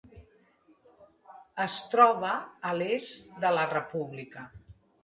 Es troba a l'est de la república.